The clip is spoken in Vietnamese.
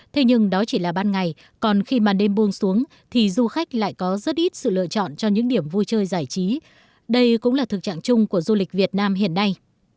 thế nhưng đó chỉ là ban ngày còn khi ban đêm buông xuống thì du khách lại có rất ít sự lựa chọn cho những điểm vui chơi giải trí đây cũng là thực trạng chung của du lịch việt nam hiện nay